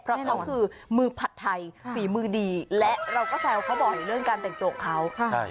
เค้าคือมือผัดไทยฝีมือดีและเราก็แซวเค้าบ่อยเรื่องการแต่งตัวเค้า